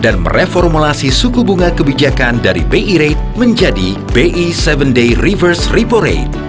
dan mereformulasi suku bunga kebijakan dari bi rate menjadi bi tujuh day reverse repo rate